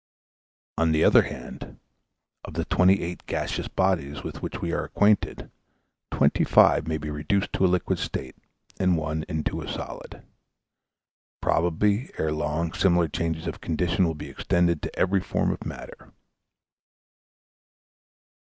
On the other hand, of the twenty eight gaseous bodies with which we are acquainted, twenty five may be reduced to a liquid state, and one into a solid. Probably, ere long, similar changes of condition will be extended to every form of matter.